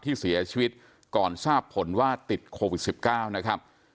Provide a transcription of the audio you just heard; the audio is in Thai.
ที่เสียชีวิตก่อนทราบผลว่าติดโควิด๑๙นะครับ